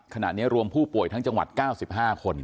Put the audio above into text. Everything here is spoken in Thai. ขณะนี้รวมผู้ป่วยทั้งจังหวัด๙๕คน